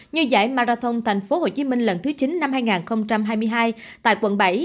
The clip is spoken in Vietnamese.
như giải marathon thành phố hồ chí minh lần thứ chín năm hai nghìn hai mươi hai tại quận bảy